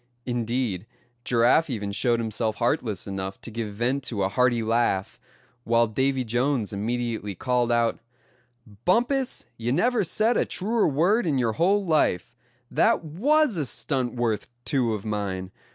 Indeed, Giraffe even showed himself heartless enough to give vent to a hearty laugh; while Davy Jones immediately called out: "Bumpus, you never said a truer word in your whole life; that was a stunt worth two of mine.